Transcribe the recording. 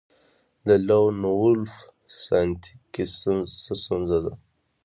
د لون وولف ساینتیک کې څه ستونزه ده